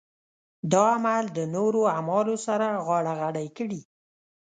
دا عمل د نورو اعمالو سره غاړه غړۍ کړي.